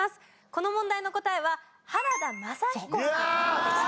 この問題の答えは原田雅彦さんでした。